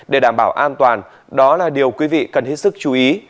để đảm bảo an toàn đó là điều quý vị cần hết sức chú ý